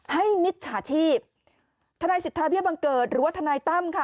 มิจฉาชีพทนายสิทธาเบี้ยบังเกิดหรือว่าทนายตั้มค่ะ